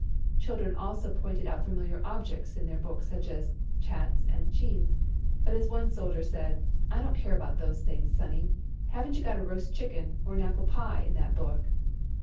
Children also pointed out familiar objects in the book such as "Chats" and "Chiens," but as one soldier said: "I don't care about those things, sonny: haven't you got a roast chicken or an apple pie in that book?"